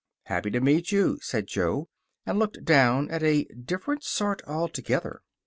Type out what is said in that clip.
"Happy to meet you," said Jo, and looked down at a different sort altogether.